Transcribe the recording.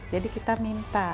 jadi kita minta